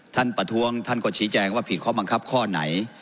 ประท้วงท่านก็ชี้แจงว่าผิดข้อบังคับข้อไหน